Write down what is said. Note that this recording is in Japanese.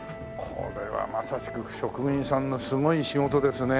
これはまさしく職人さんのすごい仕事ですね。